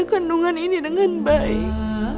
kandungan ini dengan baik